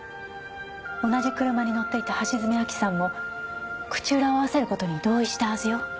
同じ車に乗っていた橋爪亜希さんも口裏を合わせることに同意したはずよ。